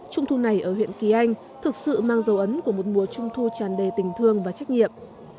trung thu này ở huyện kỳ anh thực sự mang dấu ấn của một mùa trung thu tràn đầy tình thương và trách nhiệm